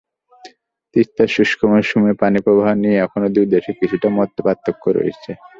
তিস্তায় শুষ্ক মৌসুমে পানিপ্রবাহ নিয়ে এখনো দুই দেশে কিছুটা মতপার্থক্য রয়েছে।